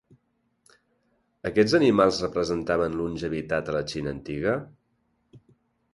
Aquests animals representaven longevitat a la Xina antiga?